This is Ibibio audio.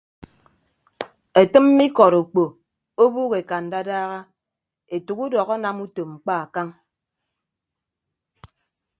Etịmme ikọt okpo ọbuuk eka ndadaha etәk udọk anam utom mkpa akañ.